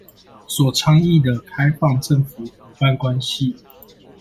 所倡議的開放政府夥伴關係